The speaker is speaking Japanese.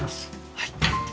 はい。